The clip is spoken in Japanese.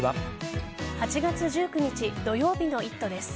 ８月１９日土曜日の「イット！」です。